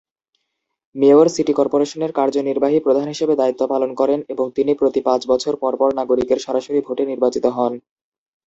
Mayor, city কর্পোরেশনের কার্যনির্বাহী প্রধান হিসাবে দায়িত্ব পালন করেন এবং তিনি প্রতি পাঁচ বছর পরপর নাগরিকের সরাসরি ভোটে নির্বাচিত হন।